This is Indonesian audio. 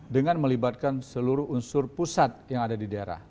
dengan melibatkan seluruh unsur pusat yang ada di daerah